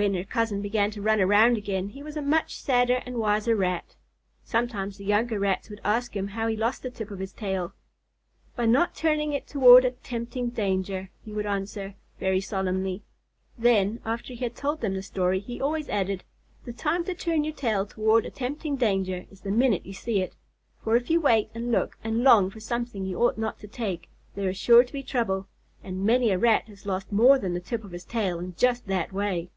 When her cousin began to run around again, he was a much sadder and wiser Rat. Sometimes the younger Rats would ask him how he lost the tip of his tail. "By not turning it toward a tempting danger," he would answer, very solemnly. Then, after he had told them the story, he always added, "The time to turn your tail toward a tempting danger is the minute you see it, for if you wait and look and long for something you ought not to take, there is sure to be trouble, and many a Rat has lost more than the tip of his tail in just that way."